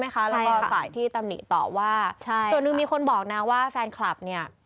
ก็ตามนี่ต่อว่าส่วนหนึ่งมีคนบอกนะว่าแฟนคลับเนี่ย